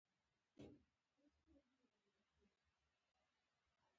نظامونه رښتیا هم د خدماتو مهمې وسیلې دي.